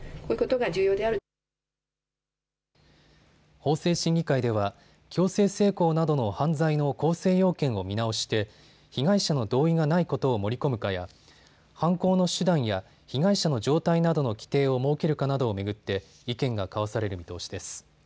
法制審議会では強制性交などの犯罪の構成要件を見直して被害者の同意がないことを盛り込むかや犯行の手段や被害者の状態などの規定を設けるかなどを巡って意見が交わされる見通しです。